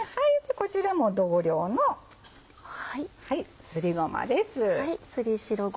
こちらも同量のすりごまです。